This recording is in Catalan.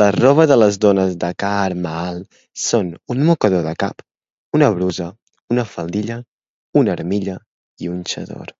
La roba de les dones de Chahar Mahall són un mocador de cap, una brusa, una faldilla, una armilla i un xador.